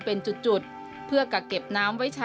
เป็นจุดเพื่อกักเก็บน้ำไว้ใช้